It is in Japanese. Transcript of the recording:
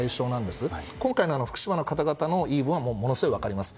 今回の福島の方々の言い分はすごく分かります。